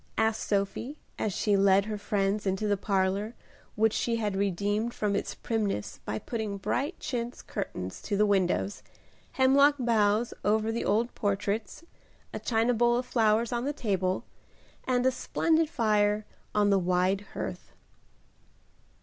asked Sophie, as she led her friends into the parlor, which she had redeemed from its primness by putting bright chintz curtains to the windows, hemlock boughs over the old portraits, a china bowl of flowers on the table, and a splendid fire on the wide hearth.